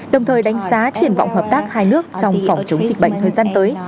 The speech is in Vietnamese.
đồng thời đánh giá triển vọng hợp tác hai nước trong phòng chống dịch bệnh thời gian tới